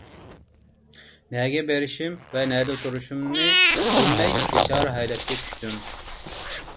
نەگە بېرىشىم ۋە نەدە تۇرۇشۇمنى بىلمەي بىچارە ھالەتكە چۈشتۈم.